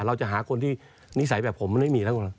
เราจะหาคนที่นิสัยแบบผมมันไม่มีแล้ว